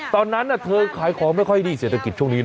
ตอนนั้นเธอขายของไม่ค่อยดีเศรษฐกิจช่วงนี้นะ